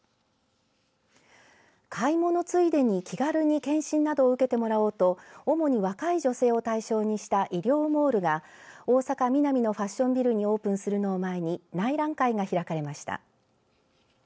買い物ついでに気軽に検診などを受けてもらおうと主に若い女性を対象にした医療モールが大阪、ミナミのファッションビルにオープンするのを前に内覧会が開かれました。